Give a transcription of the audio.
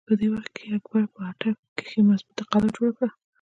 په دغه وخت کښې اکبر په اټک کښې مظبوطه قلا جوړه کړه۔